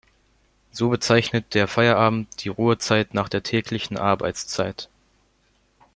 So bezeichnet der Feierabend die Ruhezeit nach der täglichen Arbeitszeit.